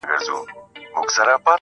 چي د وگړو څه يې ټولي گناه كډه كړې